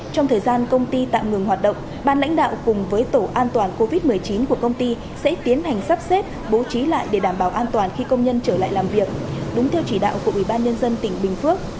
trong thời gian công ty tạm ngừng hoạt động ban lãnh đạo cùng với tổ an toàn covid một mươi chín của công ty sẽ tiến hành sắp xếp bố trí lại để đảm bảo an toàn khi công nhân trở lại làm việc đúng theo chỉ đạo của ủy ban nhân dân tỉnh bình phước